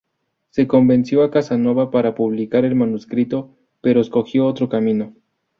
Se convenció a Casanova para publicar el manuscrito, pero escogió otro camino.